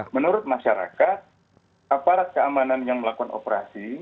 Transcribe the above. menurut masyarakat aparat keamanan yang melakukan operasi